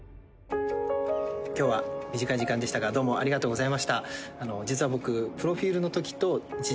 今日は短い時間でしたがどうもありがとうございました。